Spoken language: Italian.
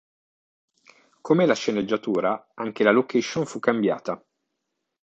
Come la sceneggiatura anche la location fu cambiata.